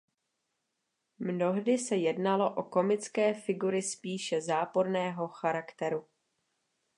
Mnohdy se jednalo o komické figury spíše záporného charakteru.